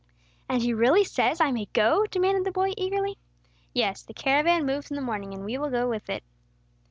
"And he really says I may go?" demanded the boy, eagerly. "Yes, the caravan moves in the morning, and we will go with it."